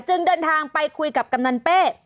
เดินทางไปคุยกับกำนันเป้